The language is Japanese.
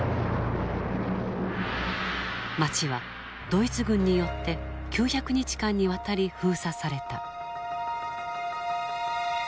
町はドイツ軍によって９００日間にわたり封鎖された。